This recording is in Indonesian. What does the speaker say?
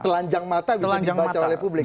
telanjang mata bisa dibaca oleh publik